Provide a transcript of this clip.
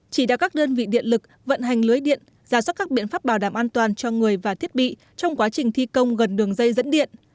chỉ đạo các đơn vị điện lực vận hành lưới điện giả soát các biện pháp bảo đảm an toàn cho người và thiết bị trong quá trình thi công gần đường dây dẫn điện